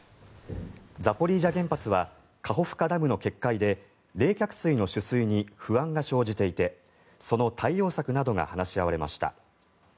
ザポリージャ原発はカホフカダムの決壊で冷却水の取水に不安が生じていてその対応策などが話し合われました。